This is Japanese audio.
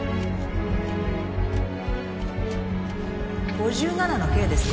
５７のＫですね。